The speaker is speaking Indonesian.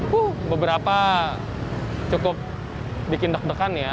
wuh beberapa cukup bikin deg degan ya